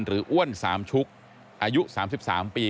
อ้วนสามชุกอายุ๓๓ปี